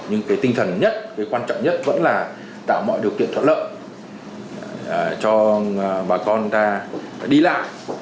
nhưng cái tinh thần nhất cái quan trọng nhất vẫn là tạo mọi điều kiện thuận lợi cho bà con ta đi lại